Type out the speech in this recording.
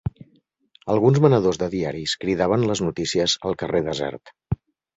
Alguns venedors de diaris cridaven les notícies al carrer desert